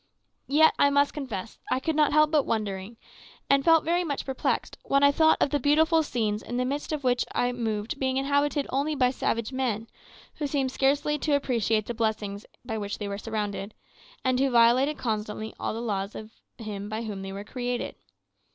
Yet I must confess I could not help wondering, and felt very much perplexed, when I thought of the beautiful scenes in the midst of which I moved being inhabited only by savage men, who seemed scarcely to appreciate the blessings by which they were surrounded, and who violated constantly all the laws of Him by whom they were created.